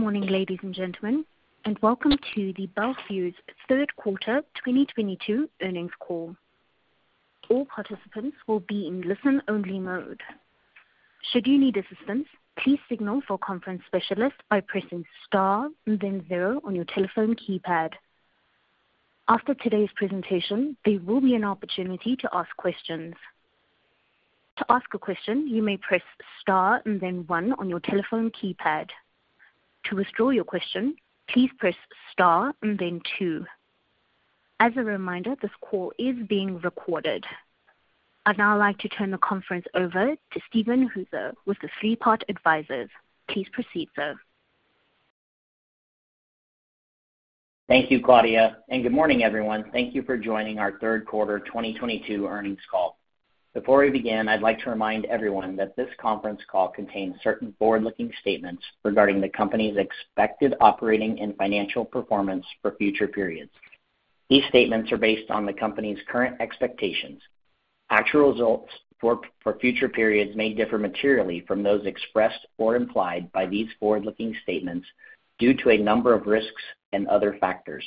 Good morning, ladies and gentlemen, and welcome to the Bel Fuse third quarter 2022 earnings call. All participants will be in listen-only mode. Should you need assistance, please signal for a conference specialist by pressing star and then zero on your telephone keypad. After today's presentation, there will be an opportunity to ask questions. To ask a question, you may press star and then one on your telephone keypad. To withdraw your question, please press star and then two. As a reminder, this call is being recorded. I'd now like to turn the conference over to Steven Hooser with the Three Part Advisors. Please proceed, sir. Thank you, Claudia, and good morning, everyone. Thank you for joining our third quarter 2022 earnings call. Before we begin, I'd like to remind everyone that this conference call contains certain forward-looking statements regarding the company's expected operating and financial performance for future periods. These statements are based on the company's current expectations. Actual results for future periods may differ materially from those expressed or implied by these forward-looking statements due to a number of risks and other factors.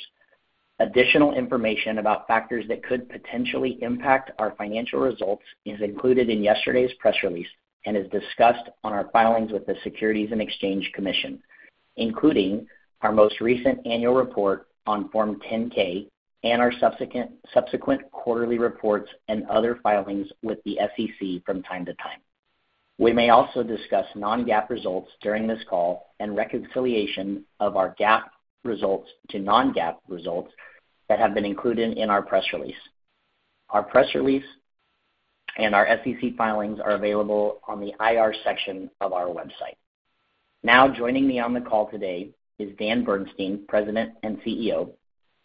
Additional information about factors that could potentially impact our financial results is included in yesterday's press release and is discussed on our filings with the Securities and Exchange Commission, including our most recent annual report on Form 10-K and our subsequent quarterly reports and other filings with the SEC from time to time. We may also discuss non-GAAP results during this call and reconciliation of our GAAP results to non-GAAP results that have been included in our press release. Our press release and our SEC filings are available on the IR section of our website. Now, joining me on the call today is Dan Bernstein, President and CEO,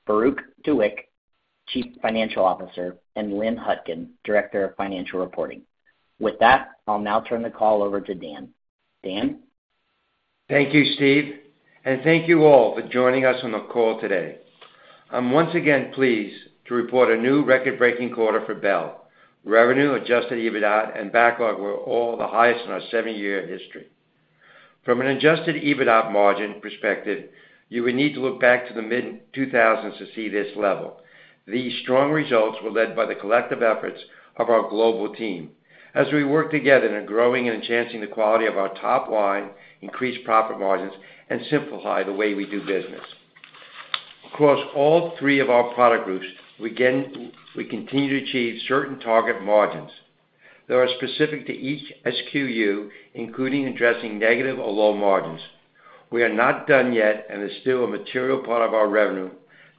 Farouq Tuweiq, Chief Financial Officer, and Lynn Hutkin, Director of Financial Reporting. With that, I'll now turn the call over to Dan. Dan? Thank you, Steve, and thank you all for joining us on the call today. I'm once again pleased to report a new record-breaking quarter for Bel. Revenue, adjusted EBITDA, and backlog were all the highest in our 70-year history. From an adjusted EBITDA margin perspective, you would need to look back to the mid-2000s to see this level. These strong results were led by the collective efforts of our global team as we work together in growing and enhancing the quality of our top line, increase profit margins, and simplify the way we do business. Across all three of our product groups, we continue to achieve certain target margins that are specific to each SKU, including addressing negative or low margins. We are not done yet and there's still a material part of our revenue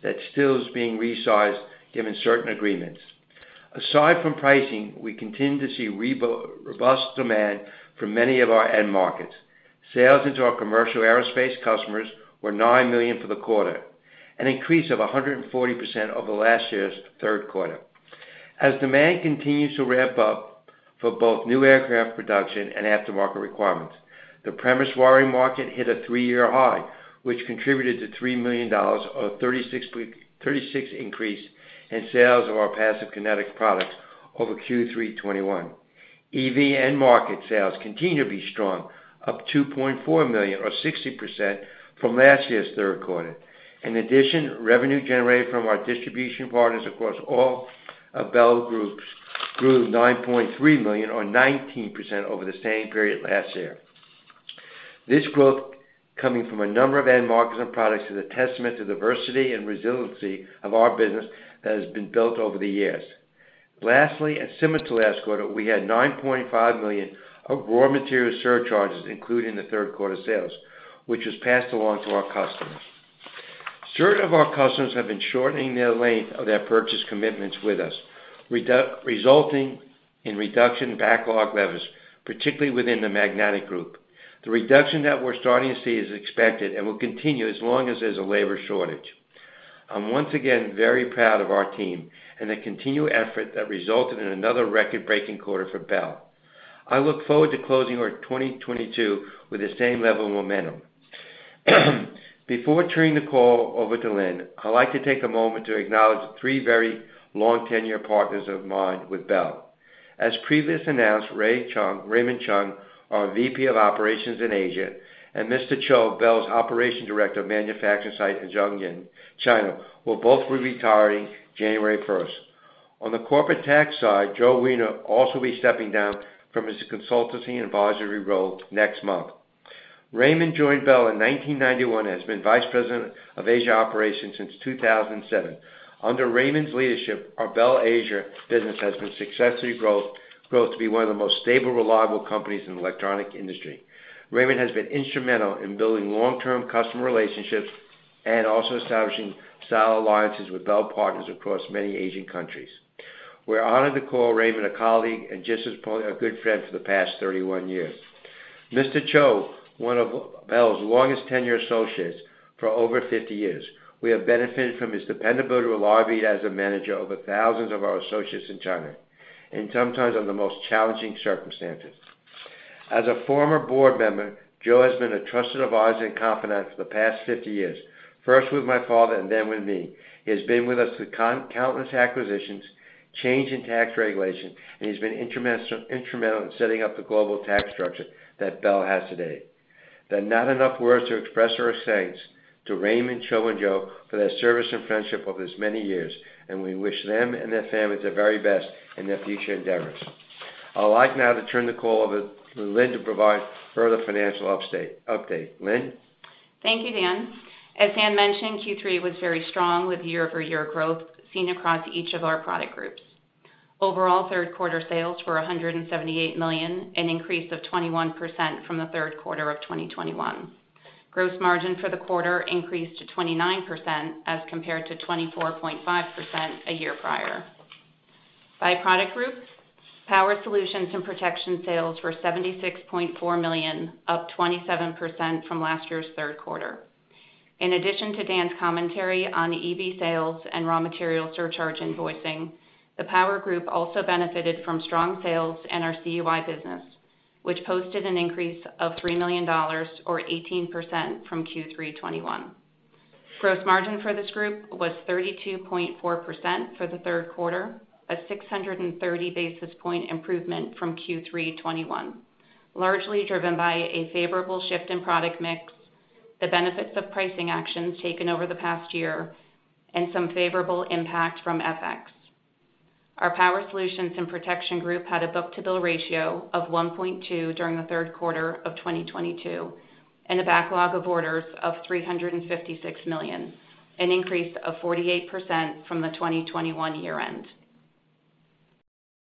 that still is being resized given certain agreements. Aside from pricing, we continue to see robust demand from many of our end markets. Sales into our commercial aerospace customers were $9 million for the quarter, an increase of 140% over last year's third quarter. As demand continues to ramp up for both new aircraft production and aftermarket requirements, the premise wiring market hit a three-year high, which contributed to $3 million, or 36%, increase in sales of our passive connector products over Q3 2021. EV end market sales continue to be strong, up $2.4 million or 60% from last year's third quarter. In addition, revenue generated from our distribution partners across all of Bel groups grew $9.3 million or 19% over the same period last year. This growth coming from a number of end markets and products is a testament to the diversity and resiliency of our business that has been built over the years. Lastly, and similar to last quarter, we had $9.5 million of raw material surcharges included in the third quarter sales, which was passed along to our customers. Certain of our customers have been shortening their length of their purchase commitments with us, resulting in reduction in backlog levels, particularly within the Magnetic group. The reduction that we're starting to see is expected and will continue as long as there's a labor shortage. I'm once again very proud of our team and the continued effort that resulted in another record-breaking quarter for Bel. I look forward to closing our 2022 with the same level of momentum. Before turning the call over to Lynn, I'd like to take a moment to acknowledge three very long-tenured partners of mine with Bel. As previously announced, Raymond Cheung, our VP of Operations in Asia, and Mr. Tso, Bel's Operations Director of manufacturing site in Zhongshan, China, will both be retiring January 1st. On the corporate tax side, Joe Wiener will also be stepping down from his consultancy and advisory role next month. Raymond joined Bel in 1991 and has been Vice President of Asia Operations since 2007. Under Raymond's leadership, our Bel Asia business has been successfully grown to be one of the most stable, reliable companies in the electronics industry. Raymond has been instrumental in building long-term customer relationships and also establishing solid alliances with Bel partners across many Asian countries. We're honored to call Raymond a colleague and just as probably a good friend for the past 31 years. Mr. Tso, one of Bel's longest tenured associates for over 50 years. We have benefited from his dependable reliability as a manager over thousands of our associates in China, sometimes under the most challenging circumstances. As a former board member, Joe has been a trusted advisor and confidant for the past 50 years, first with my father and then with me. He has been with us through countless acquisitions, changes in tax regulations, and he's been instrumental in setting up the global tax structure that Bel has today. There are not enough words to express our thanks to Raymond, Tso and Joe for their service and friendship over this many years, and we wish them and their families the very best in their future endeavors. I would like now to turn the call over to Lynn to provide further financial update. Lynn? Thank you, Dan. As Dan mentioned, Q3 was very strong with year-over-year growth seen across each of our product groups. Overall, third quarter sales were $178 million, an increase of 21% from the third quarter of 2021. Gross margin for the quarter increased to 29% as compared to 24.5% a year prior. By product groups, Power Solutions and Protection sales were $76.4 million, up 27% from last year's third quarter. In addition to Dan's commentary on the EV sales and raw material surcharge invoicing, the Power group also benefited from strong sales in our CUI business, which posted an increase of $3 million or 18% from Q3 2021. Gross margin for this group was 32.4% for the third quarter, a 630 basis points improvement from Q3 2021, largely driven by a favorable shift in product mix, the benefits of pricing actions taken over the past year, and some favorable impact from FX. Our Power Solutions and Protection group had a book-to-bill ratio of 1.2 during the third quarter of 2022, and a backlog of orders of $356 million, an increase of 48% from the 2021 year end.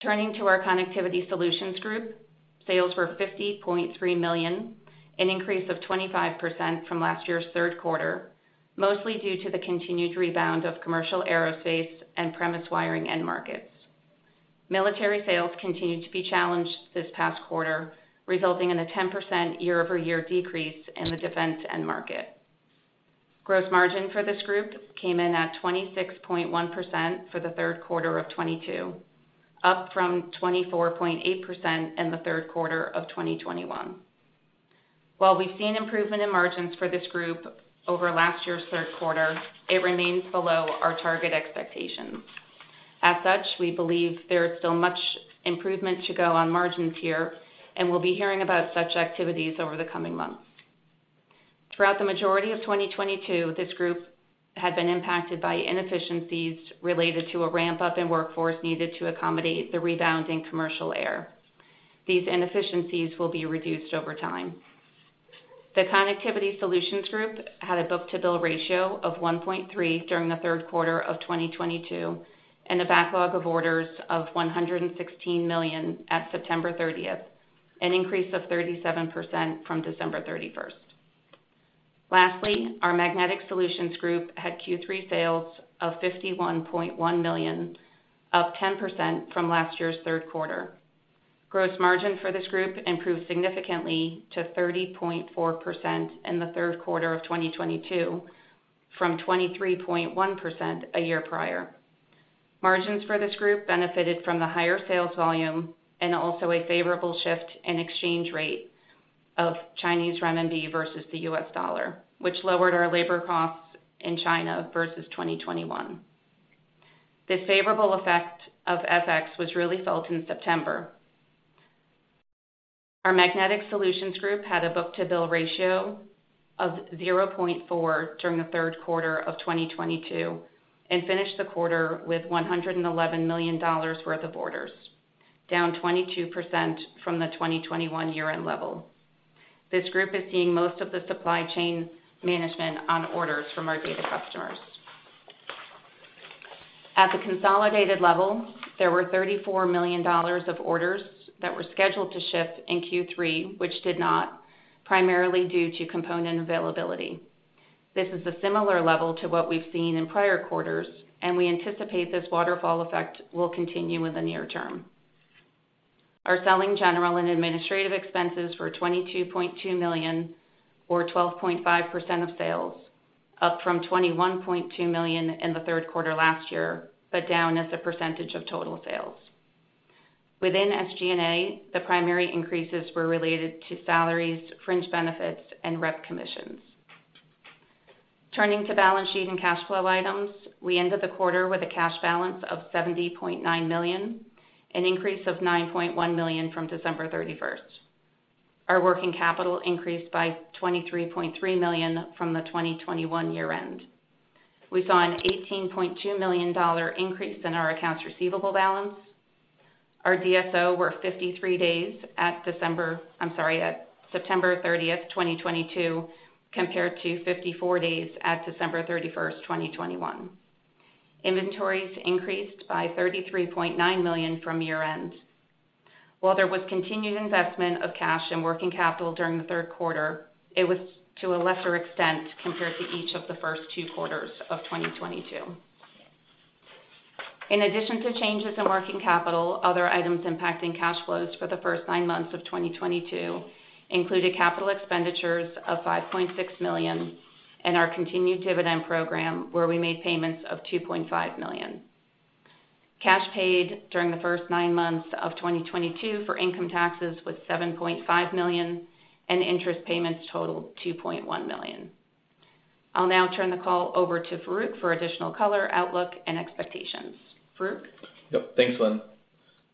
Turning to our Connectivity Solutions group, sales were $50.3 million, an increase of 25% from last year's third quarter, mostly due to the continued rebound of commercial aerospace and premises wiring end markets. Military sales continued to be challenged this past quarter, resulting in a 10% year-over-year decrease in the defense end market. Gross margin for this group came in at 26.1% for the third quarter of 2022, up from 24.8% in the third quarter of 2021. While we've seen improvement in margins for this group over last year's third quarter, it remains below our target expectations. As such, we believe there is still much improvement to go on margins here, and we'll be hearing about such activities over the coming months. Throughout the majority of 2022, this group had been impacted by inefficiencies related to a ramp-up in workforce needed to accommodate the rebound in commercial air. These inefficiencies will be reduced over time. The Connectivity Solutions group had a book-to-bill ratio of 1.3 during the third quarter of 2022, and a backlog of orders of $116 million at September 30th, an increase of 37% from December 31st. Lastly, our Magnetic Solutions group had Q3 sales of $51.1 million, up 10% from last year's third quarter. Gross margin for this group improved significantly to 30.4% in the third quarter of 2022, from 23.1% a year prior. Margins for this group benefited from the higher sales volume and also a favorable shift in exchange rate of Chinese RMB versus the U.S. dollar, which lowered our labor costs in China versus 2021. This favorable effect of FX was really felt in September. Our Magnetic Solutions group had a book-to-bill ratio of 0.4 during the third quarter of 2022 and finished the quarter with $111 million worth of orders, down 22% from the 2021 year-end level. This group is seeing most of the supply chain management on orders from our data customers. At the consolidated level, there were $34 million of orders that were scheduled to ship in Q3, which did not, primarily due to component availability. This is a similar level to what we've seen in prior quarters, and we anticipate this waterfall effect will continue in the near term. Our selling, general, and administrative expenses were $22.2 million or 12.5% of sales, up from $21.2 million in the third quarter last year, but down as a percentage of total sales. Within SG&A, the primary increases were related to salaries, fringe benefits, and rep commissions. Turning to balance sheet and cash flow items, we ended the quarter with a cash balance of $70.9 million, an increase of $9.1 million from December 31st. Our working capital increased by $23.3 million from the 2021 year end. We saw a $18.2 million increase in our accounts receivable balance. Our DSO were 53 days at September 30th, 2022, compared to 54 days at December 31st, 2021. Inventories increased by $33.9 million from year end. While there was continued investment of cash and working capital during the third quarter, it was to a lesser extent compared to each of the first two quarters of 2022. In addition to changes in working capital, other items impacting cash flows for the first nine months of 2022 included capital expenditures of $5.6 million and our continued dividend program, where we made payments of $2.5 million. Cash paid during the first nine months of 2022 for income taxes was $7.5 million, and interest payments totaled $2.1 million. I'll now turn the call over to Farouq for additional color, outlook, and expectations. Farouq? Yep. Thanks, Lynn.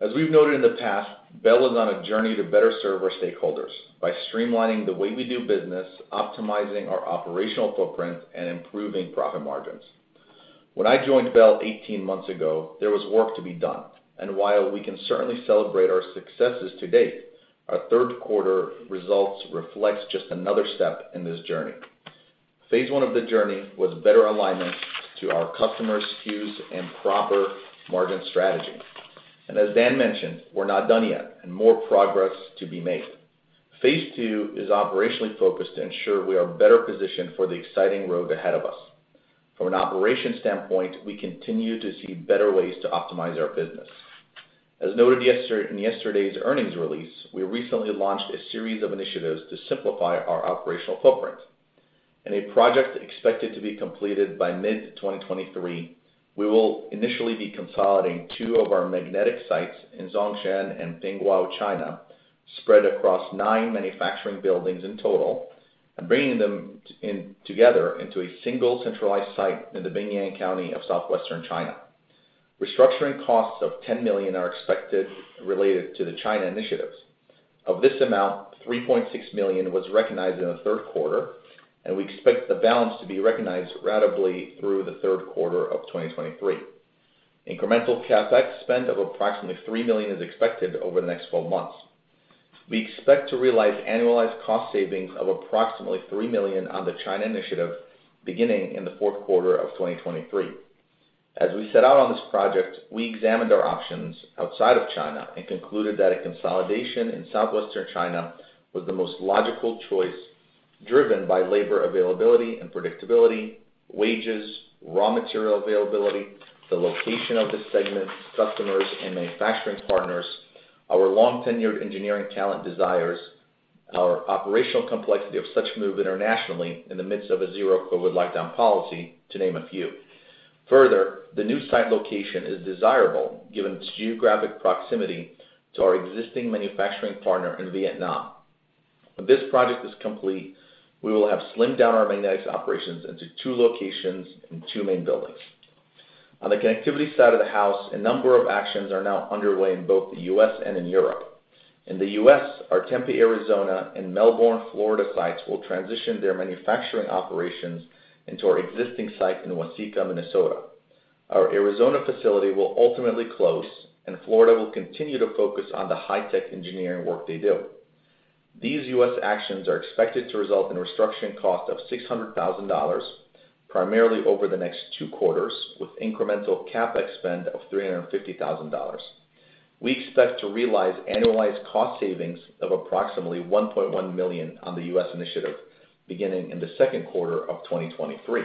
As we've noted in the past, Bel is on a journey to better serve our stakeholders by streamlining the way we do business, optimizing our operational footprint, and improving profit margins. When I joined Bel 18 months ago, there was work to be done. While we can certainly celebrate our successes to date, our third quarter results reflects just another step in this journey. Phase one of the journey was better alignment to our customers' SKUs and proper margin strategy. As Dan mentioned, we're not done yet, and more progress to be made. Phase II is operationally focused to ensure we are better positioned for the exciting road ahead of us. From an operations standpoint, we continue to see better ways to optimize our business. As noted yesterday in yesterday's earnings release, we recently launched a series of initiatives to simplify our operational footprint. In a project expected to be completed by mid-2023, we will initially be consolidating two of our magnetic sites in Zhongshan and Pingguo, China, spread across nine manufacturing buildings in total and bringing them together into a single centralized site in the Binyang County of Southwestern China. Restructuring costs of $10 million are expected related to the China initiatives. Of this amount, $3.6 million was recognized in the third quarter, and we expect the balance to be recognized ratably through the third quarter of 2023. Incremental CapEx spend of approximately $3 million is expected over the next 12 months. We expect to realize annualized cost savings of approximately $3 million on the China initiative beginning in the fourth quarter of 2023. As we set out on this project, we examined our options outside of China and concluded that a consolidation in Southwestern China was the most logical choice, driven by labor availability and predictability, wages, raw material availability, the location of the segment, customers, and manufacturing partners, our long-tenured engineering talent desires, our operational complexity of such move internationally in the midst of a zero COVID lockdown policy, to name a few. Further, the new site location is desirable given its geographic proximity to our existing manufacturing partner in Vietnam. When this project is complete, we will have slimmed down our magnetics operations into two locations in two main buildings. On the connectivity side of the house, a number of actions are now underway in both the U.S. and in Europe. In the U.S., our Tempe, Arizona, and Melbourne, Florida, sites will transition their manufacturing operations into our existing site in Waseca, Minnesota. Our Arizona facility will ultimately close, and Florida will continue to focus on the high-tech engineering work they do. These U.S. actions are expected to result in restructuring cost of $600,000, primarily over the next two quarters, with incremental CapEx spend of $350,000. We expect to realize annualized cost savings of approximately $1.1 million on the U.S. initiative beginning in the second quarter of 2023.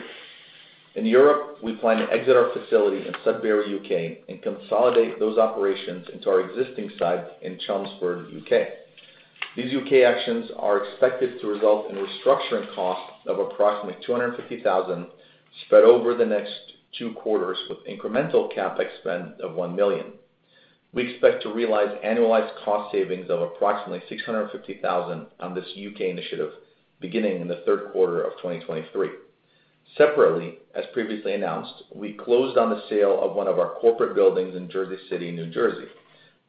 In Europe, we plan to exit our facility in Sudbury, U.K., and consolidate those operations into our existing site in Chelmsford, U.K. These U.K. actions are expected to result in restructuring costs of approximately $250,000 spread over the next two quarters with incremental CapEx spend of $1 million. We expect to realize annualized cost savings of approximately $650,000 on this U.K. initiative beginning in the third quarter of 2023. Separately, as previously announced, we closed on the sale of one of our corporate buildings in Jersey City, New Jersey,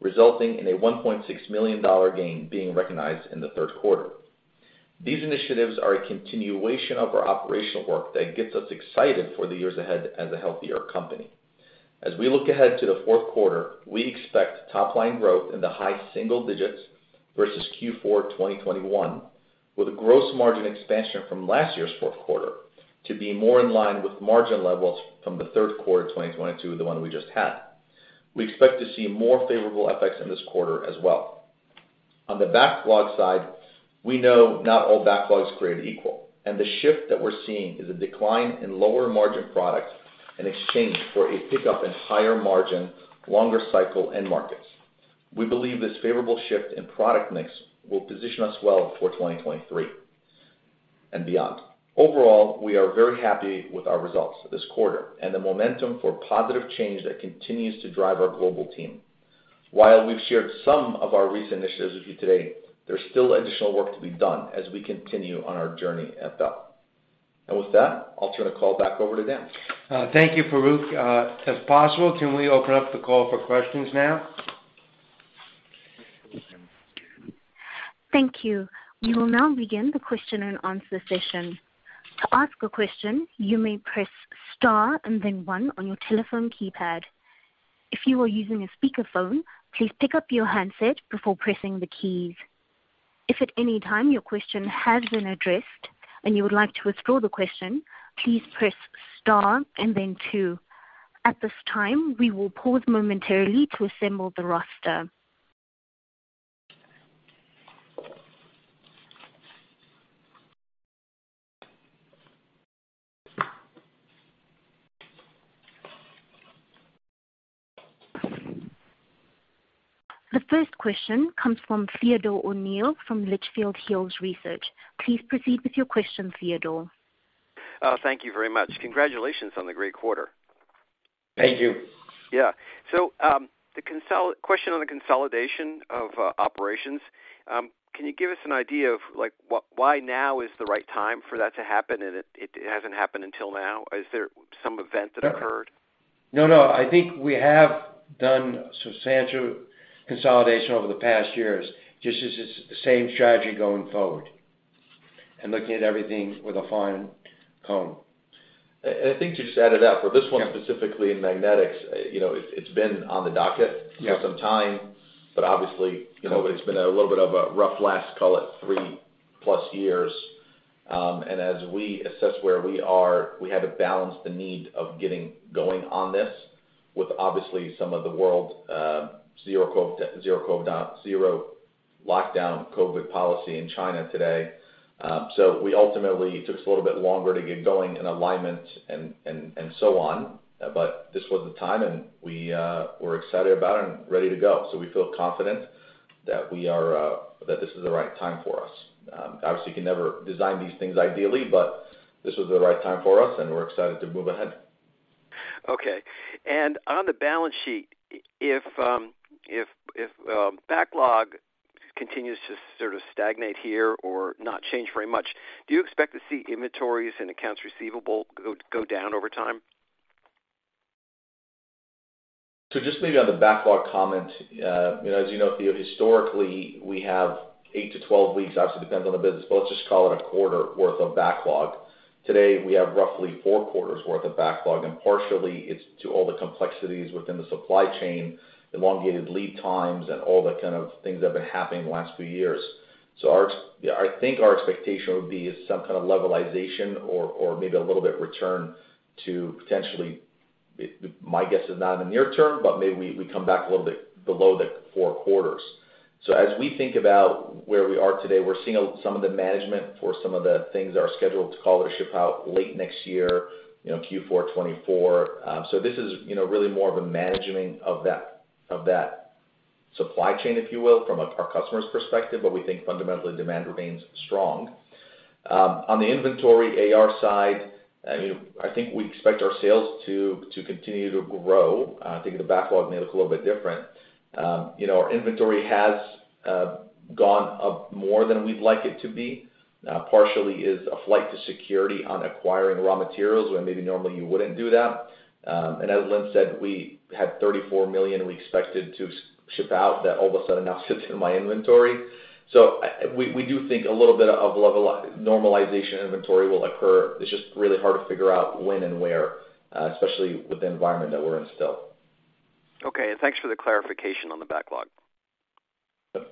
resulting in a $1.6 million gain being recognized in the third quarter. These initiatives are a continuation of our operational work that gets us excited for the years ahead as a healthier company. As we look ahead to the fourth quarter, we expect top line growth in the high single digits versus Q4 2021, with a gross margin expansion from last year's fourth quarter to be more in line with margin levels from the third quarter 2022, the one we just had. We expect to see more favorable FX in this quarter as well. On the backlog side, we know not all backlogs are created equal, and the shift that we're seeing is a decline in lower margin products in exchange for a pickup in higher margin, longer cycle, end markets. We believe this favorable shift in product mix will position us well for 2023 and beyond. Overall, we are very happy with our results this quarter and the momentum for positive change that continues to drive our global team. While we've shared some of our recent initiatives with you today, there's still additional work to be done as we continue on our journey at Bel. With that, I'll turn the call back over to Dan. Thank you, Farouq. If possible, can we open up the call for questions now? Thank you. We will now begin the question-and-answer session. To ask a question, you may press star and then one on your telephone keypad. If you are using a speakerphone, please pick up your handset before pressing the keys. If at any time your question has been addressed and you would like to withdraw the question, please press star and then two. At this time, we will pause momentarily to assemble the roster. The first question comes from Theodore O'Neill from Litchfield Hills Research. Please proceed with your question, Theodore. Thank you very much. Congratulations on the great quarter. Thank you. Yeah. The question on the consolidation of operations, can you give us an idea of, like, why now is the right time for that to happen, and it hasn't happened until now? Is there some event that occurred? No, no. I think we have done substantial consolidation over the past years, just as it's the same strategy going forward and looking at everything with a fine comb. I think to just add it up, for this one specifically in magnetics, you know, it's been on the docket for some time, but obviously, you know, it's been a little bit of a rough last, call it, three-plus years. As we assess where we are, we had to balance the need of getting going on this with obviously some of the world, zero COVID, zero lockdown COVID policy in China today. So, we ultimately took us a little bit longer to get going in alignment and so on. This was the time, and we're excited about it and ready to go. We feel confident that we are, that this is the right time for us. Obviously, you can never design these things ideally, but this was the right time for us, and we're excited to move ahead. Okay. On the balance sheet, if backlog continues to sort of stagnate here or not change very much, do you expect to see inventories and accounts receivable go down over time? Just maybe on the backlog comment, you know, as you know, Theo, historically, we have eight to 12 weeks, obviously depends on the business, but let's just call it a quarter worth of backlog. Today, we have roughly four quarters worth of backlog, and partially it's due to all the complexities within the supply chain, elongated lead times, and all the kind of things that have been happening the last few years. I think our expectation would be some kind of levelization or maybe a little bit return to potentially, my guess is not in the near term, but maybe we come back a little bit below the four quarters. As we think about where we are today, we're seeing some of the management for some of the things that are scheduled to come or ship out late next year, Q4 2024. This is really more of a managing of that supply chain, if you will, from our customer's perspective, but we think fundamentally demand remains strong. On the inventory AR side, I mean, I think we expect our sales to continue to grow. I think the backlog may look a little bit different. Our inventory has gone up more than we'd like it to be. Partly, it's a flight to security on acquiring raw materials, where maybe normally you wouldn't do that. As Lynn said, we had $34 million we expected to ship out that all of a sudden now sits in my inventory. We do think a little bit of level normalization inventory will occur. It's just really hard to figure out when and where, especially with the environment that we're in still. Okay. Thanks for the clarification on the backlog. Yep.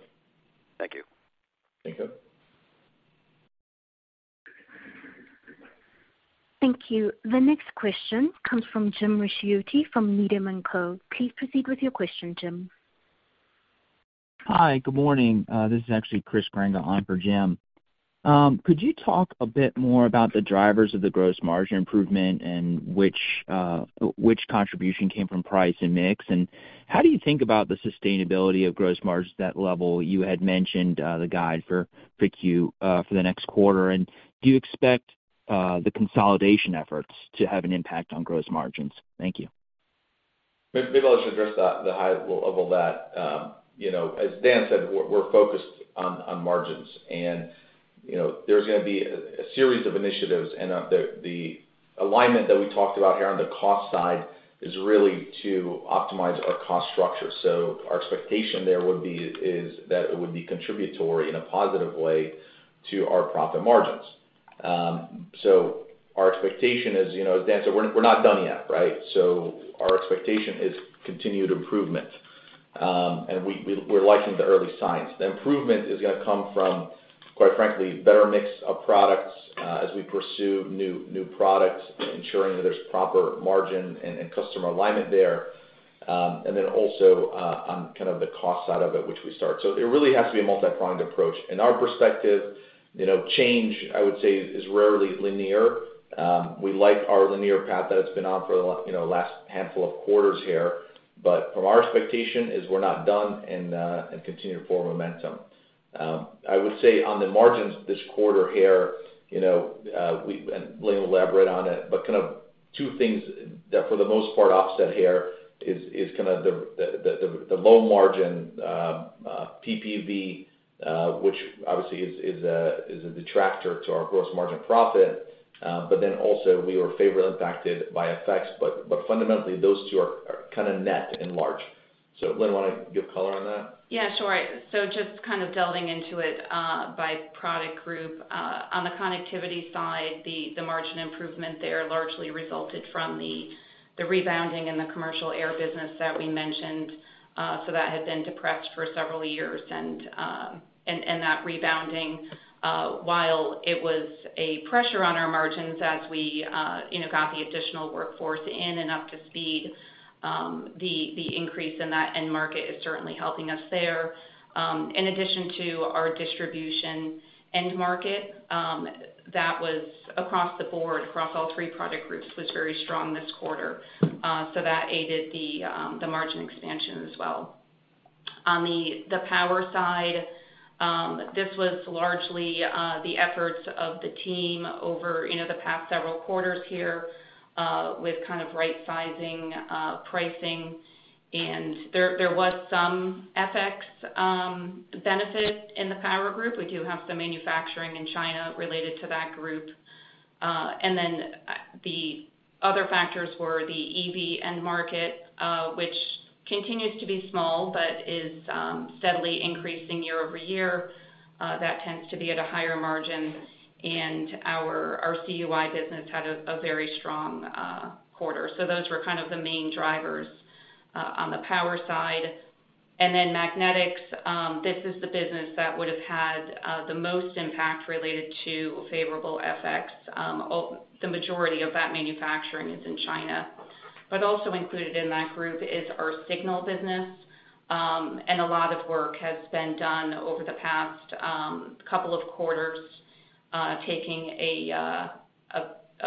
Thank you. Thank you. Thank you. The next question comes from Jim Ricchiuti from Needham & Company. Please proceed with your question, Jim. Hi. Good morning. This is actually Chris [Glynn] on for Jim. Could you talk a bit more about the drivers of the gross margin improvement and which contribution came from price and mix? How do you think about the sustainability of gross margin at that level? You had mentioned the guide for Q for the next quarter. Do you expect the consolidation efforts to have an impact on gross margins? Thank you. Maybe I'll just address the high level of that. You know, as Dan said, we're focused on margins. You know, there's gonna be a series of initiatives, and the alignment that we talked about here on the cost side is really to optimize our cost structure. Our expectation there would be that it would be contributory in a positive way to our profit margins. Our expectation is, you know, as Dan said, we're not done yet, right? Our expectation is continued improvement, and we're liking the early signs. The improvement is gonna come from, quite frankly, better mix of products, as we pursue new products, ensuring that there's proper margin and customer alignment there, and then also on kind of the cost side of it, which we start. It really has to be a multi-pronged approach. In our perspective, you know, change, I would say, is rarely linear. We like our linear path that it's been on for the last handful of quarters here. Our expectation is we're not done and continue to form momentum. I would say on the margins this quarter here, you know, and Lynn will elaborate on it, but kind of two things that for the most part offset here is kinda the low margin PPV, which obviously is a detractor to our gross margin profit. But then also we were favorably impacted by FX. Fundamentally, those two are kinda net neutral. Lynn, wanna give color on that? Yeah, sure. Just kind of delving into it, by product group. On the connectivity side, the margin improvement there largely resulted from the rebounding in the commercial air business that we mentioned. That had been depressed for several years. That rebounding, while it was a pressure on our margins as we, you know, got the additional workforce in and up to speed, the increase in that end market is certainly helping us there. In addition to our distribution end market, that was across the board, across all three product groups, was very strong this quarter. That aided the margin expansion as well. On the power side, this was largely the efforts of the team over, you know, the past several quarters here, with kind of right sizing, pricing. There was some FX benefit in the power group. We do have some manufacturing in China related to that group. The other factors were the EV end market, which continues to be small but is steadily increasing year over year. That tends to be at a higher margin, and our CUI business had a very strong quarter. Those were kind of the main drivers on the power side. Magnetics, this is the business that would have had the most impact related to favorable FX. The majority of that manufacturing is in China. Also included in that group is our signal business. A lot of work has been done over the past couple of quarters, taking a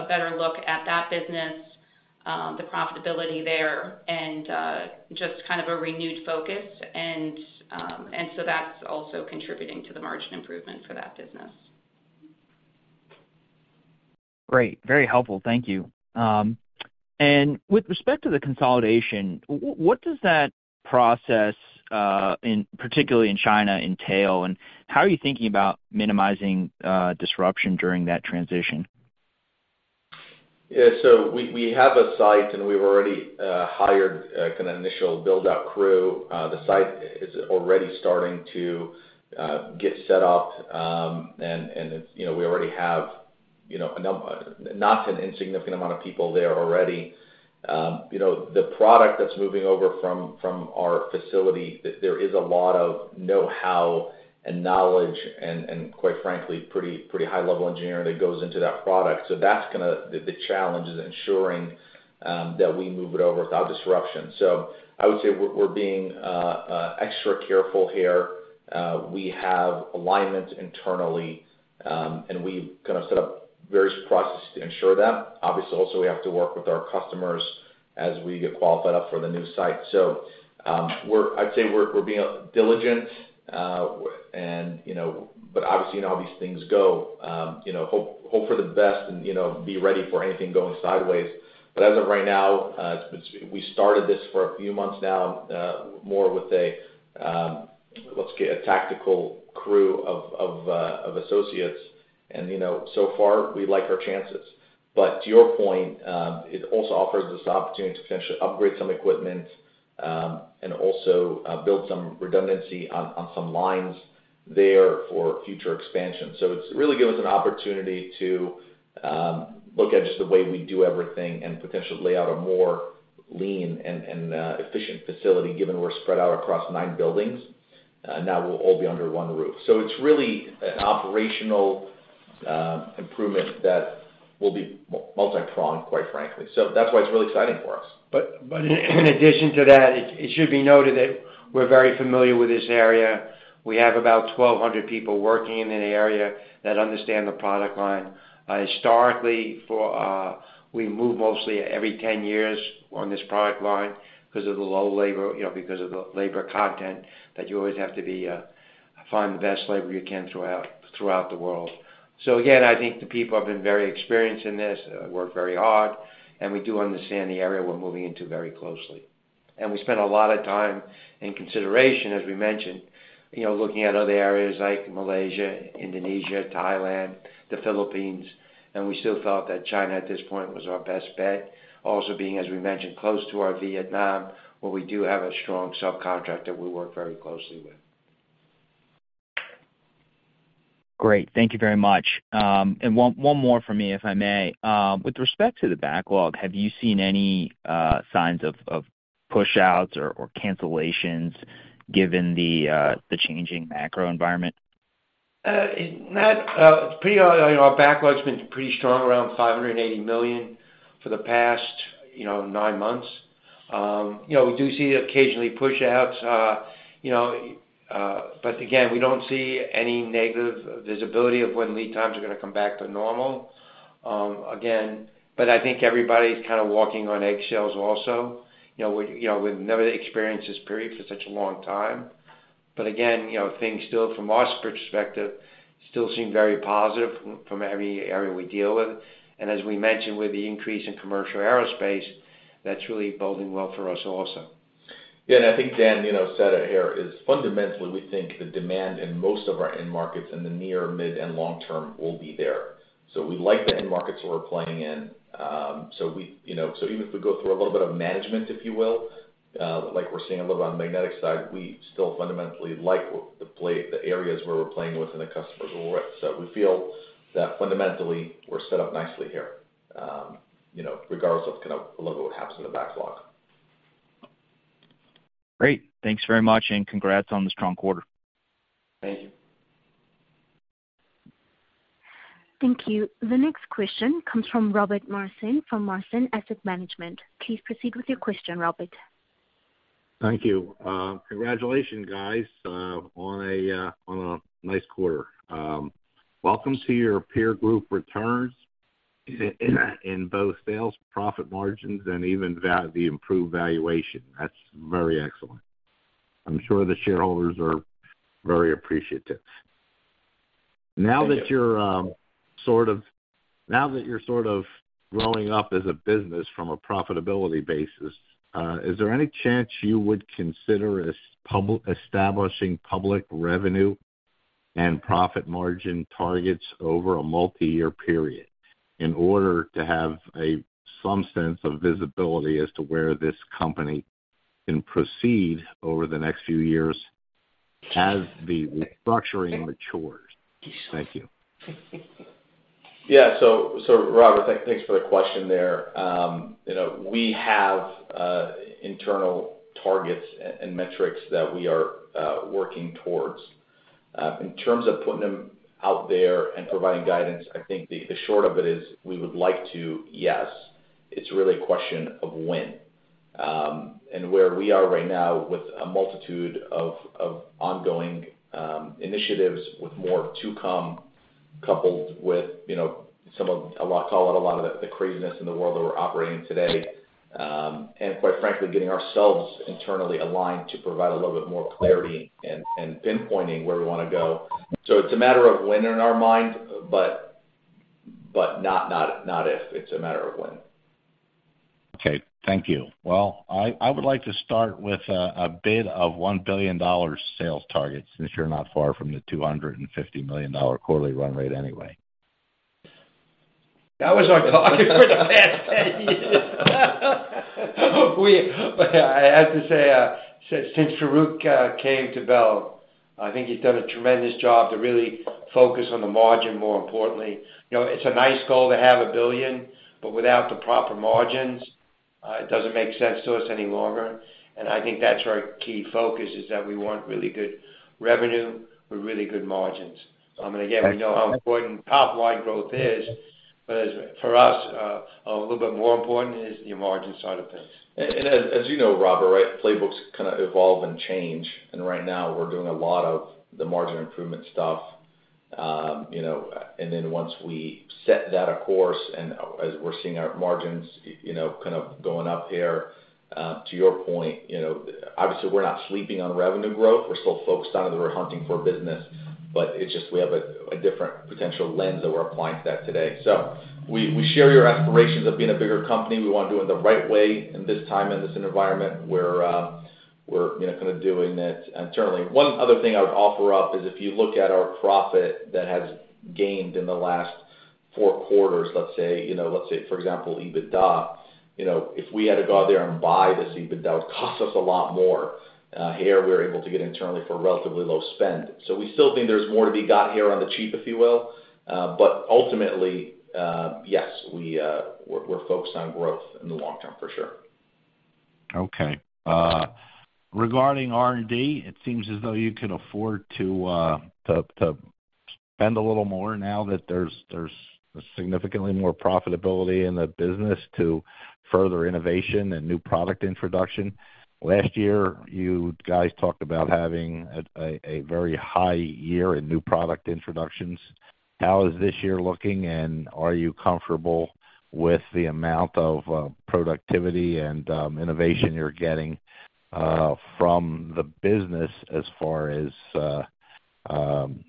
better look at that business, the profitability there and just kind of a renewed focus. That's also contributing to the margin improvement for that business. Great. Very helpful. Thank you. With respect to the consolidation, what does that process particularly in China entail, and how are you thinking about minimizing disruption during that transition? Yeah. We have a site, and we've already hired a kind of initial build-out crew. The site is already starting to get set up, and it's, you know, we already have, you know, a not an insignificant amount of people there already. You know, the product that's moving over from our facility, there is a lot of know-how and knowledge and quite frankly, pretty high-level engineering that goes into that product. That's kinda the challenge is ensuring that we move it over without disruption. I would say we're being extra careful here. We have alignment internally, and we've kind of set up various processes to ensure that. Obviously, also we have to work with our customers as we get qualified up for the new site. I'd say we're being diligent, you know, but obviously, you know how these things go, you know, hope for the best and, you know, be ready for anything going sideways. As of right now, we started this for a few months now, more with a let's get a tactical crew of associates. You know, so far, we like our chances. To your point, it also offers us the opportunity to potentially upgrade some equipment and also build some redundancy on some lines there for future expansion. It's really given us an opportunity to look at just the way we do everything and potentially lay out a more lean and efficient facility, given we're spread out across nine buildings. Now we'll all be under one roof. It's really an operational improvement that will be multipronged, quite frankly. That's why it's really exciting for us. In addition to that, it should be noted that we're very familiar with this area. We have about 1,200 people working in the area that understand the product line. Historically, we move mostly every ten years on this product line because of the low labor, you know, because of the labor content that you always have to find the best labor you can throughout the world. I think the people have been very experienced in this work very hard, and we do understand the area we're moving into very closely. We spent a lot of time in consideration, as we mentioned, you know, looking at other areas like Malaysia, Indonesia, Thailand, the Philippines, and we still felt that China at this point was our best bet. Also being, as we mentioned, close to our Vietnam, where we do have a strong subcontractor we work very closely with. Great. Thank you very much. One more for me, if I may. With respect to the backlog, have you seen any signs of pushouts or cancellations given the changing macro environment? You know, our backlog's been pretty strong, around $580 million for the past nine months. You know, we do see occasionally pushouts, but again, we don't see any negative visibility of when lead times are gonna come back to normal. Again, I think everybody's kind of walking on eggshells also. You know, we, you know, we've never experienced this period for such a long time. Again, you know, things still from our perspective, still seem very positive from every area we deal with. As we mentioned, with the increase in commercial aerospace, that's really boding well for us also. Yeah. I think Dan, you know, said it here is fundamentally, we think the demand in most of our end markets in the near, mid, and long term will be there. We like the end markets we're playing in. We, you know, even if we go through a little bit of management, if you will, like we're seeing a little on the Magnetic side, we still fundamentally like the areas where we're playing with and the customers we're with. We feel that fundamentally we're set up nicely here, you know, regardless of kind of a little of what happens in the backlog. Great. Thanks very much, and congrats on the strong quarter. Thank you. Thank you. The next question comes from Robert [Marcin] from Markin Asset Management. Please proceed with your question, Robert. Thank you. Congratulations, guys, on a nice quarter. Welcome to your peer group returns. In both sales profit margins and even the improved valuation. That's very excellent. I'm sure the shareholders are very appreciative. Thank you. Now that you're sort of growing up as a business from a profitability basis, is there any chance you would consider establishing public revenue and profit margin targets over a multi-year period in order to have some sense of visibility as to where this company can proceed over the next few years as the restructuring matures? Thank you. Yeah. Robert, thanks for the question there. You know, we have internal targets and metrics that we are working towards. In terms of putting them out there and providing guidance, I think the short of it is we would like to, yes. It's really a question of when. Where we are right now with a multitude of ongoing initiatives with more to come, coupled with, you know, some of, I'll call it a lot of the craziness in the world that we're operating today, and quite frankly, getting ourselves internally aligned to provide a little bit more clarity and pinpointing where we wanna go. It's a matter of when in our mind, but not if, it's a matter of when. Okay. Thank you. Well, I would like to start with a bit of a $1 billion sales target since you're not far from the $250 million quarterly run rate anyway. That was our target for the past 10 years. I have to say, since Farouq came to Bel, I think he's done a tremendous job to really focus on the margin, more importantly. You know, it's a nice goal to have a billion, but without the proper margins, it doesn't make sense to us any longer. I think that's our key focus is that we want really good revenue with really good margins. Again, we know how important top-line growth is, but for us, a little bit more important is your margin side of things. As you know, Robert, right, playbooks kind of evolve and change, and right now we're doing a lot of the margin improvement stuff, you know, and then once we set that course and as we're seeing our margins, you know, kind of going up here, to your point, you know, obviously, we're not sleeping on revenue growth. We're still focused on it, we're hunting for business, but it's just we have a different potential lens that we're applying to that today. We share your aspirations of being a bigger company. We wanna do it the right way in this time, in this environment where we're, you know, kind of doing it internally. One other thing I would offer up is if you look at our profit that has gained in the last four quarters, let's say, you know, let's say for example, EBITDA, you know, if we had to go out there and buy this EBITDA, it would cost us a lot more. Here we're able to get internally for relatively low spend. We still think there's more to be got here on the cheap, if you will. Ultimately, yes, we're focused on growth in the long term for sure. Okay. Regarding R&D, it seems as though you can afford to to spend a little more now that there's significantly more profitability in the business to further innovation and new product introduction. Last year, you guys talked about having a very high year in new product introductions. How is this year looking, and are you comfortable with the amount of productivity and innovation you're getting from the business as far as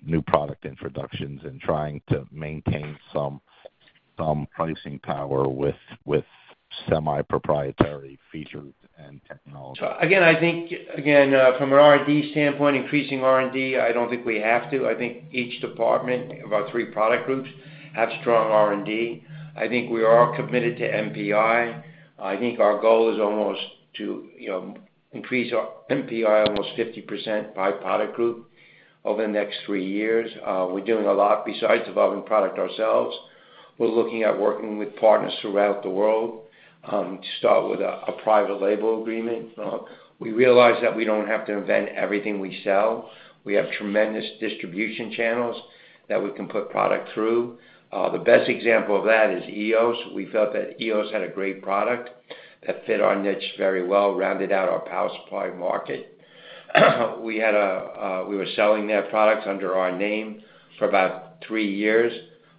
new product introductions and trying to maintain some pricing power with semi-proprietary features and technology? I think from an R&D standpoint, increasing R&D, I don't think we have to. I think each department of our three product groups have strong R&D. I think we are committed to NPI. I think our goal is almost to increase our NPI almost 50% by product group over the next three years. We're doing a lot besides developing product ourselves. We're looking at working with partners throughout the world to start with a private label agreement. We realize that we don't have to invent everything we sell. We have tremendous distribution channels that we can put product through. The best example of that is EOS. We felt that EOS had a great product that fit our niche very well, rounded out our power supply market. We were selling their products under our name for about three years.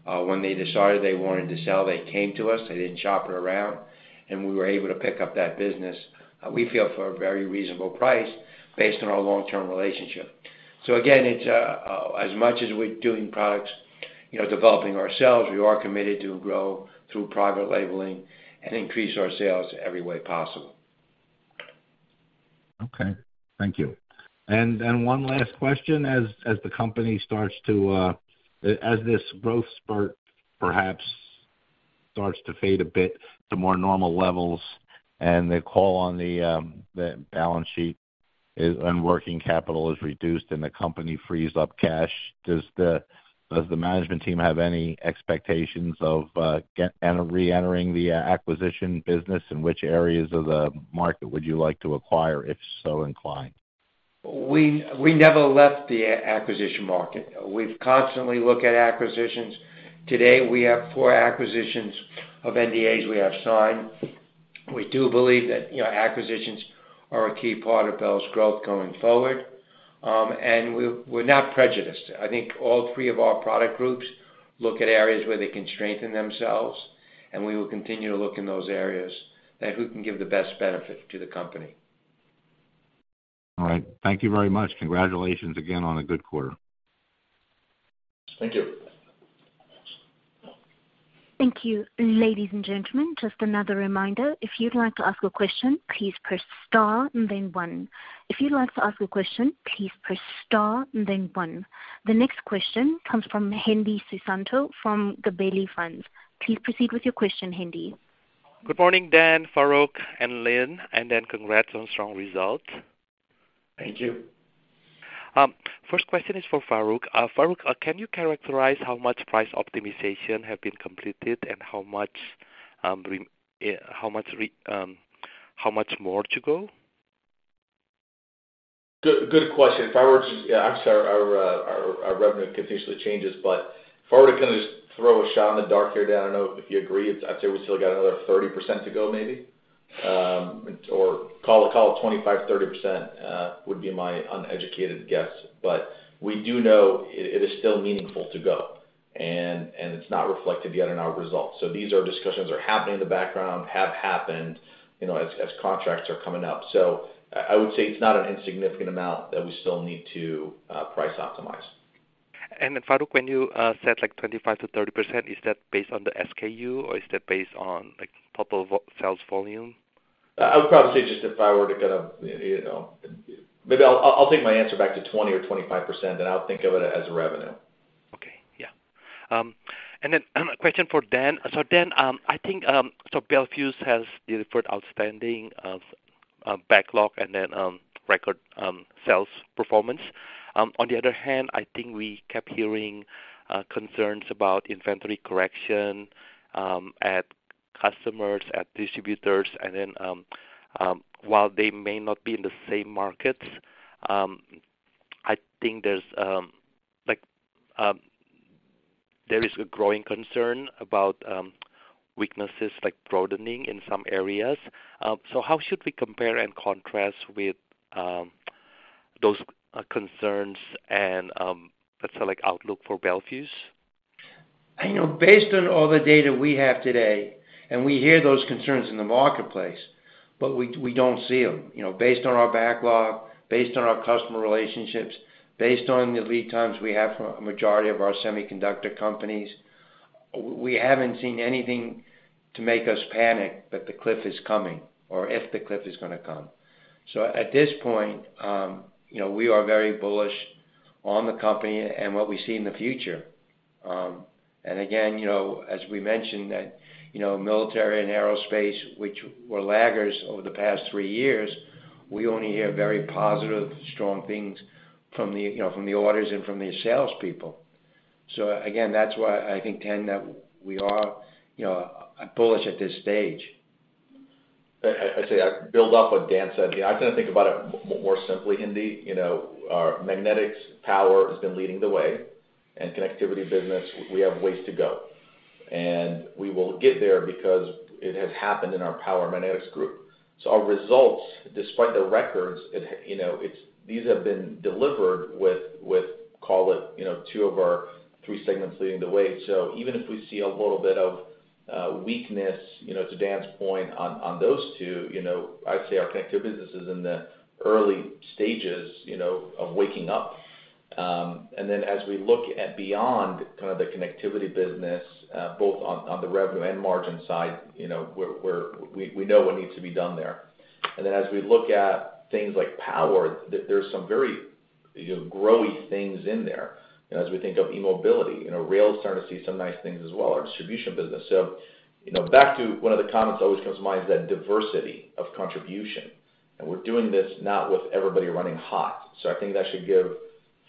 When they decided they wanted to sell, they came to us, they didn't shop it around, and we were able to pick up that business, we feel for a very reasonable price based on our long-term relationship. Again, it's as much as we're doing products, you know, developing ourselves, we are committed to grow through private labeling and increase our sales every way possible. Okay. Thank you. One last question. As the company starts to, as this growth spurt perhaps starts to fade a bit to more normal levels and the call on the balance sheet and working capital is reduced and the company frees up cash, does the management team have any expectations of re-entering the acquisition business? In which areas of the market would you like to acquire, if so inclined? We never left the acquisition market. We've constantly looked at acquisitions. Today, we have four acquisition NDAs we have signed. We do believe that, you know, acquisitions are a key part of Bel's growth going forward. We're not prejudiced. I think all three of our product groups look at areas where they can strengthen themselves, and we will continue to look in those areas that who can give the best benefit to the company. All right. Thank you very much. Congratulations again on a good quarter. Thank you. Thank you. Ladies and gentlemen, just another reminder, if you'd like to ask a question, please press star and then one. The next question comes from Hendi Susanto from Gabelli Funds. Please proceed with your question, Hendi. Good morning, Dan, Farouq, and Lynn, and then congrats on strong results. Thank you. First question is for Farouq. Farouq, can you characterize how much price optimization have been completed and how much more to go? Good question. Actually our revenue continuously changes, but if I were to kind of just throw a shot in the dark here, Dan, I don't know if you agree. I'd say we still got another 30% to go maybe, or call it 25%-30%, would be my uneducated guess. We do know it is still meaningful to go, and it's not reflected yet in our results. These discussions are happening in the background, have happened, you know, as contracts are coming up. I would say it's not an insignificant amount that we still need to price optimize. Farouq, when you said like 25%-30%, is that based on the SKU or is that based on like total sales volume? I would probably say just if I were to kind of, you know. Maybe I'll take my answer back to 20 or 25%, and I'll think of it as revenue. A question for Dan. Dan, I think Bel Fuse has delivered outstanding backlog and then record sales performance. On the other hand, I think we kept hearing concerns about inventory correction at customers, at distributors, and then while they may not be in the same markets, I think there's like there is a growing concern about weaknesses like broadening in some areas. How should we compare and contrast with those concerns and let's say like outlook for Bel Fuse? I know based on all the data we have today, and we hear those concerns in the marketplace, but we don't see them. You know, based on our backlog, based on our customer relationships, based on the lead times we have for a majority of our semiconductor companies, we haven't seen anything to make us panic that the cliff is coming or if the cliff is gonna come. At this point, you know, we are very bullish on the company and what we see in the future. Again, you know, as we mentioned that, you know, military and aerospace, which were laggards over the past three years, we only hear very positive, strong things from the orders and from the salespeople. Again, that's why I think, Hendi, that we are, you know, bullish at this stage. I say I build off what Dan said. You know, I kind of think about it more simply, Hendy. You know, our magnetics power has been leading the way and connectivity business, we have ways to go. We will get there because it has happened in our power magnetics group. Our results, despite the records, you know, it's these have been delivered with call it, you know, two of our three segments leading the way. Even if we see a little bit of weakness, you know, to Dan's point on those two, you know, I'd say our connectivity business is in the early stages, you know, of waking up. As we look beyond kind of the connectivity business, both on the revenue and margin side, you know, we know what needs to be done there. As we look at things like power, there's some very, you know, growthy things in there. You know, as we think of e-mobility, you know, rail is starting to see some nice things as well, our distribution business. Back to one of the comments that always comes to mind is that diversity of contribution, and we're doing this not with everybody running hot. I think that should give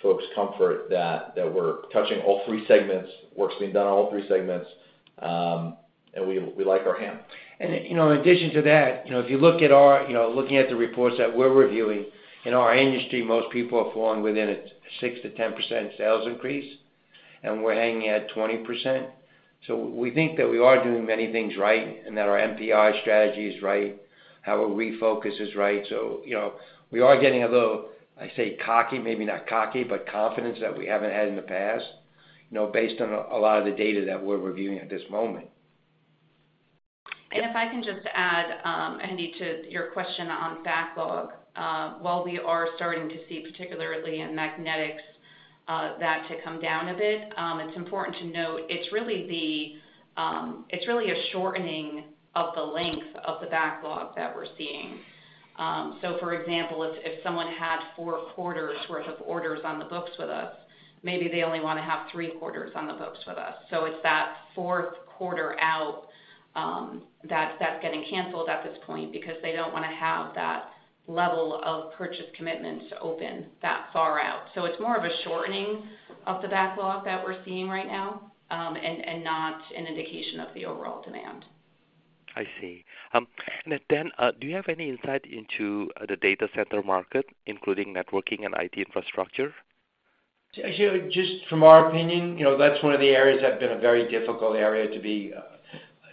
folks comfort that we're touching all three segments, work's being done on all three segments, and we like our hand. You know, in addition to that, you know, if you look at our, you know, looking at the reports that we're reviewing, in our industry, most people are falling within a 6%-10% sales increase, and we're hanging at 20%. We think that we are doing many things right and that our NPI strategy is right, how our refocus is right. You know, we are getting a little, I'd say cocky, maybe not cocky, but confidence that we haven't had in the past, you know, based on a lot of the data that we're reviewing at this moment. If I can just add, Hendi, to your question on backlog. While we are starting to see, particularly in magnetics, that to come down a bit, it's important to note it's really a shortening of the length of the backlog that we're seeing. So, for example, if someone had four quarters worth of orders on the books with us, maybe they only wanna have three quarters on the books with us. So, it's that fourth quarter out, that's getting canceled at this point because they don't wanna have that level of purchase commitments open that far out. So, it's more of a shortening of the backlog that we're seeing right now, and not an indication of the overall demand. I see. Do you have any insight into the data center market, including networking and IT infrastructure? Actually, just from our opinion, you know, that's one of the areas that have been a very difficult area to be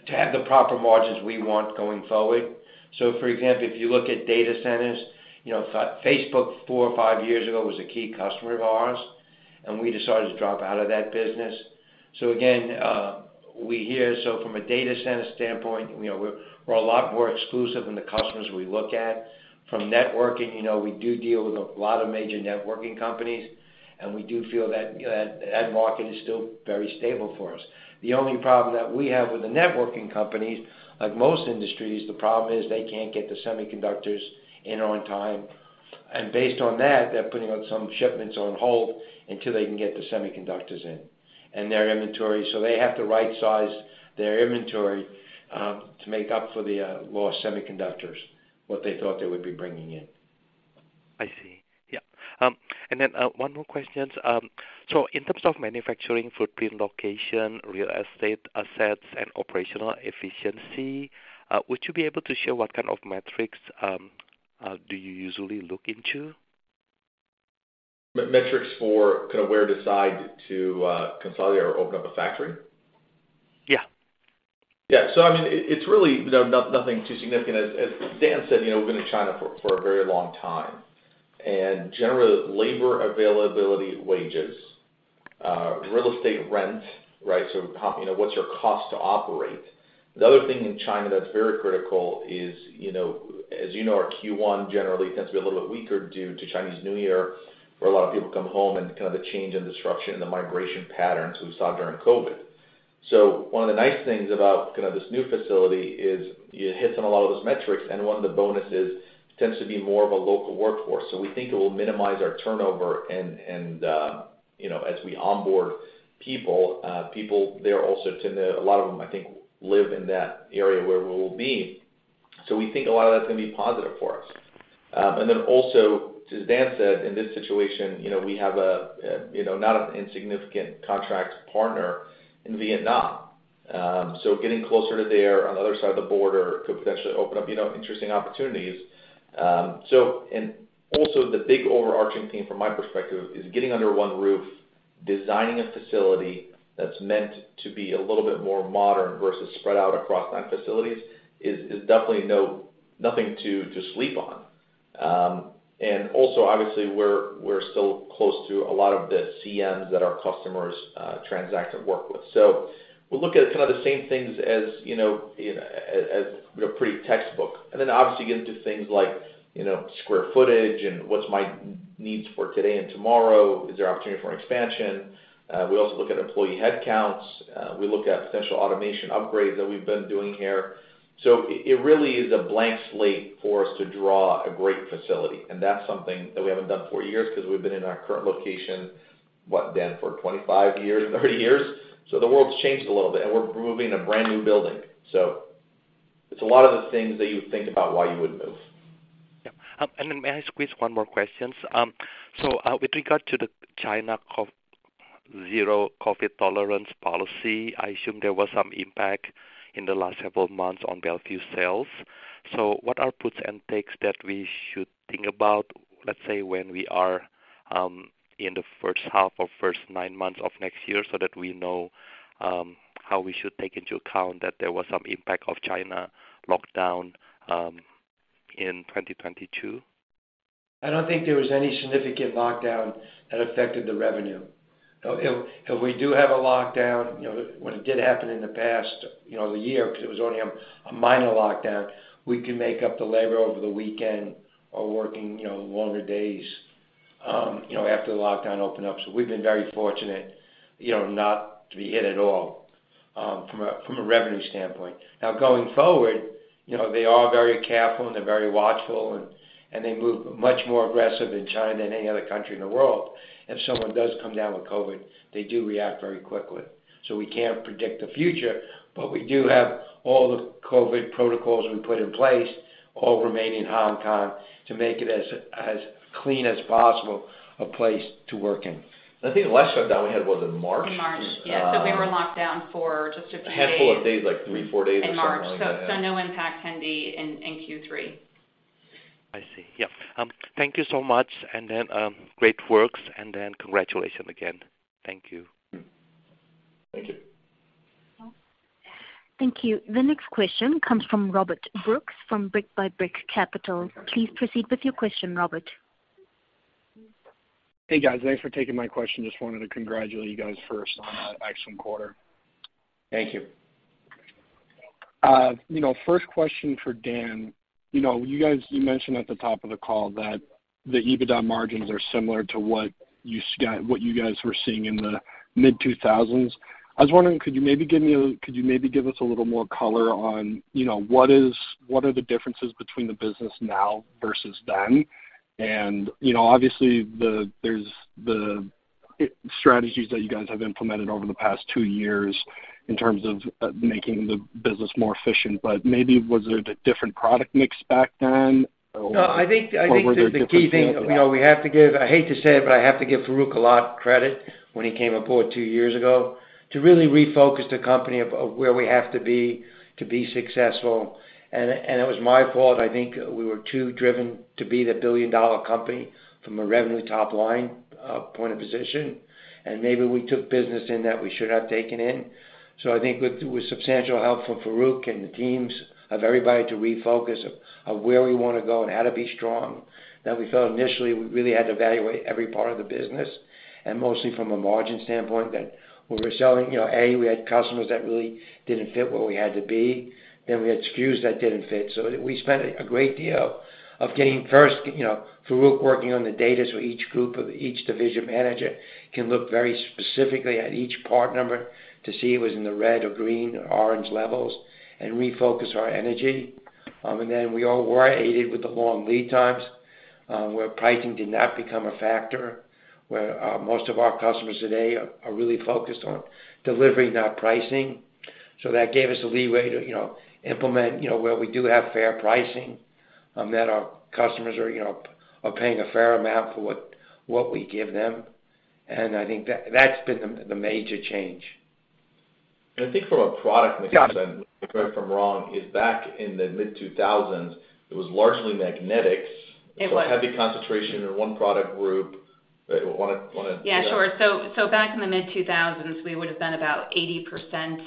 to have the proper margins we want going forward. For example, if you look at data centers, you know, Facebook four or five years ago was a key customer of ours, and we decided to drop out of that business. Again, we're also from a data center standpoint, you know, we're a lot more exclusive in the customers we look at. From networking, you know, we do deal with a lot of major networking companies, and we do feel that market is still very stable for us. The only problem that we have with the networking companies, like most industries, the problem is they can't get the semiconductors in on time. Based on that, they're putting out some shipments on hold until they can get the semiconductors in and their inventory. They have to right-size their inventory to make up for the lost semiconductors, what they thought they would be bringing in. I see. Yeah. One more questions. In terms of manufacturing footprint location, real estate assets and operational efficiency, would you be able to share what kind of metrics do you usually look into? Metrics for kind of where to decide to consolidate or open up a factory? Yeah. Yeah. I mean, it's really nothing too significant. As Dan said, you know, we've been in China for a very long time. Generally, labor availability, wages, real estate rent, right? You know, what's your cost to operate? The other thing in China that's very critical is, you know, as you know, our Q1 generally tends to be a little bit weaker due to Chinese New Year, where a lot of people come home and kind of the change in disruption and the migration patterns we saw during COVID. One of the nice things about kind of this new facility is it hits on a lot of those metrics, and one of the bonuses tends to be more of a local workforce. We think it will minimize our turnover and, as we onboard people there also tend to live in that area where we will be. A lot of them, I think, live in that area where we will be. We think a lot of that's gonna be positive for us. As Dan said, in this situation, we have a not an insignificant contract partner in Vietnam. Getting closer to there on the other side of the border could potentially open up interesting opportunities. The big overarching theme from my perspective is getting under one roof, designing a facility that's meant to be a little bit more modern versus spread out across nine facilities is definitely nothing to sleep on. Also, obviously we're still close to a lot of the CMs that our customers transact and work with. We look at kind of the same things as, you know, you know, as, you know, pretty textbook. Then obviously get into things like, you know, square footage and what's my needs for today and tomorrow, is there opportunity for an expansion? We also look at employee headcounts. We look at potential automation upgrades that we've been doing here. It really is a blank slate for us to draw a great facility, and that's something that we haven't done for years because we've been in our current location, what, Dan, for 25 years, 30 years. The world's changed a little bit, and we're moving a brand-new building. It's a lot of the things that you would think about why you would move. Yeah. Then may I squeeze one more question? With regard to China's zero COVID tolerance policy, I assume there was some impact in the last several months on Bel Fuse sales. What are puts and takes that we should think about, let's say when we are in the first half or first nine months of next year so that we know how we should take into account that there was some impact of China lockdown in 2022? I don't think there was any significant lockdown that affected the revenue. If we do have a lockdown, you know, when it did happen in the past, you know, the year, because it was only a minor lockdown, we can make up the labor over the weekend or working, you know, longer days, after the lockdown opened up. We've been very fortunate, you know, not to be hit at all, from a revenue standpoint. Now, going forward, you know, they are very careful, and they're very watchful, and they move much more aggressive in China than any other country in the world. If someone does come down with COVID, they do react very quickly. We can't predict the future, but we do have all the COVID protocols we put in place, all remain in Hong Kong to make it as clean as possible a place to work in. I think the last shutdown we had was in March. In March, yeah. We were locked down for just a few days. A handful of days, like three, four days or something like that. In March. No impact Hendi in Q3. I see. Yeah. Thank you so much, and then, great works, and then congratulations again. Thank you. Thank you. Thank you. Thank you. The next question comes from Robert Brooks from Brick by Brick Capital. Please proceed with your question, Robert. Hey, guys. Thanks for taking my question. Just wanted to congratulate you guys first on an excellent quarter. Thank you. You know, first question for Dan. You know, you guys, you mentioned at the top of the call that the EBITDA margins are similar to what you guys were seeing in the mid-2000s. I was wondering, could you maybe give us a little more color on, you know, what are the differences between the business now versus then? You know, obviously there's the strategies that you guys have implemented over the past two years in terms of making the business more efficient. But maybe was it a different product mix back then or. No, I think the key thing, you know, we have to give Farouq a lot of credit when he came aboard two years ago to really refocus the company on where we have to be to be successful. It was my fault. I think we were too driven to be the billion-dollar company from a revenue top-line point of view. Maybe we took business that we shouldn't have taken. I think with substantial help from Farouq and the teams of everybody to refocus on where we wanna go and how to be strong, that we felt initially we really had to evaluate every part of the business, and mostly from a margin standpoint, that when we're selling, you know, a, we had customers that really didn't fit where we had to be, then we had SKUs that didn't fit. We spent a great deal of getting first, you know, Farouq working on the data so each group of each division manager can look very specifically at each part number to see it was in the red or green or orange levels and refocus our energy. We all were aided with the long lead times, where pricing did not become a factor, where most of our customers today are really focused on delivering that pricing. That gave us a leeway to, you know, implement, you know, where we do have fair pricing, that our customers are, you know, paying a fair amount for what we give them. I think that's been the major change. I think from a product mix. Yeah. Correct me if I'm wrong, is back in the mid-2000s, it was largely magnetics. It was. A heavy concentration in one product group. Yeah, sure. Back in the mid-2000s, we would have been about 80%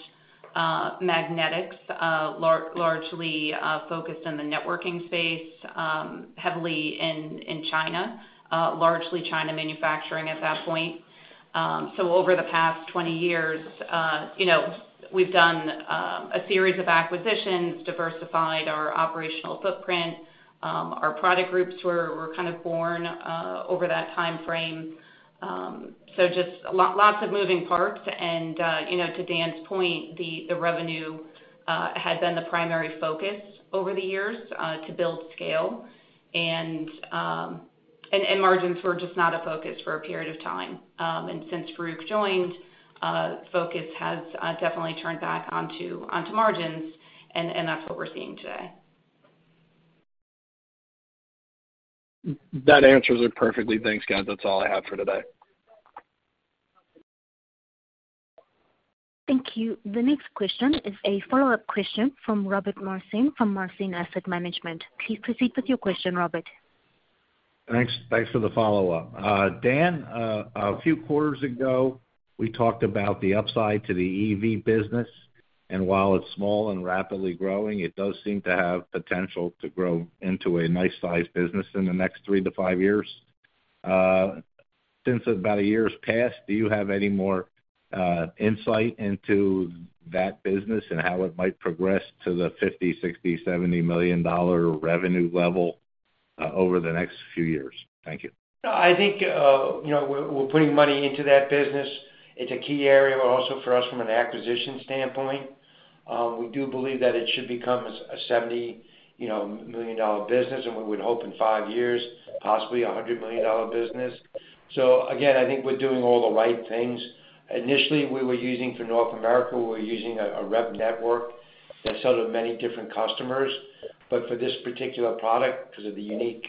magnetics, largely focused on the networking space, heavily in China, largely China manufacturing at that point. Over the past 20 years, you know, we've done a series of acquisitions, diversified our operational footprint. Our product groups were kind of born over that timeframe. Just lots of moving parts. To Dan's point, the revenue had been the primary focus over the years to build scale, and margins were just not a focus for a period of time. Since Farouq joined, focus has definitely turned back onto margins and that's what we're seeing today. That answers it perfectly. Thanks, guys. That's all I have for today. Thank you. The next question is a follow-up question from Robert [Marcin] from Markin Asset Management. Please proceed with your question, Robert. Thanks for the follow-up. Dan, a few quarters ago, we talked about the upside to the EV business, and while it's small and rapidly growing, it does seem to have potential to grow into a nice size business in the next three to five years. Since about a year's passed, do you have any more insight into that business and how it might progress to the $50 million, $60 million, $70 million revenue level over the next few years? Thank you. I think, you know, we're putting money into that business. It's a key area also for us from an acquisition standpoint. We do believe that it should become a $70 million business, and we would hope in five years, possibly a $100 million business. Again, I think we're doing all the right things. Initially, we were using for North America, a rep network that sell to many different customers. For this particular product, 'cause of the unique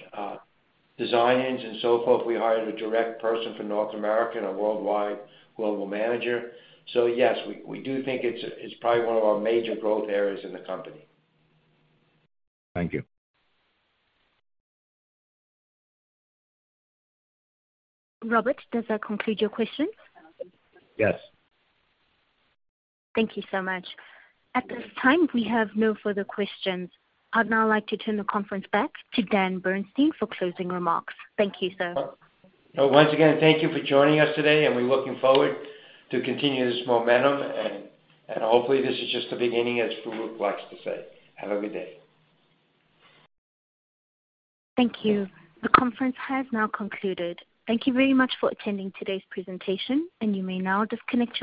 designs and so forth, we hired a direct person for North America and a worldwide global manager. Yes, we do think it's probably one of our major growth areas in the company. Thank you. Robert, does that conclude your questions? Yes. Thank you so much. At this time, we have no further questions. I'd now like to turn the conference back to Dan Bernstein for closing remarks. Thank you, sir. Once again, thank you for joining us today, and we're looking forward to continue this momentum and hopefully this is just the beginning, as Farouq likes to say. Have a good day. Thank you. The conference has now concluded. Thank you very much for attending today's presentation, and you may now disconnect your line.